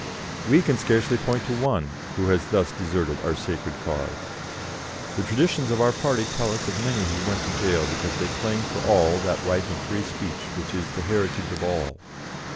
We can scarcely point to one who has thus deserted our sacred cause. The traditions of our party tell us of many who went to jail because they claimed for all that right of free speech which is the heritage of all.